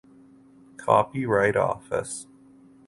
Copyright Office.